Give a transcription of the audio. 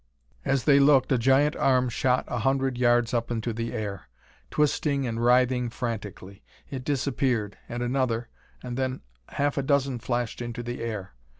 As they looked a giant arm shot a hundred yards up into the air, twisting and writhing frantically. It disappeared, and another, and then half a dozen flashed into the air.